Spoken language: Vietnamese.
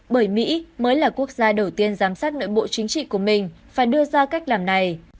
bởi mỹ mới là quốc gia đầu tiên giám sát nội bộ chính trị của mình phải đưa ra cách làm này